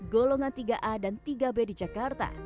golongan tiga a dan tiga b di jakarta